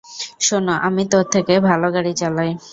শোন, আমি তোর থেকে ভালো গাড়ি চালাই।